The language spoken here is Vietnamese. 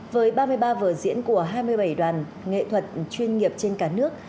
với ba mươi ba vở diễn của hai mươi bảy đoàn nghệ thuật chuyên nghiệp trên cả nước